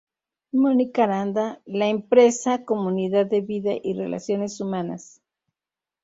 Mónica Aranda, "La Empresa: Comunidad de Vida Y Relaciones Humanas".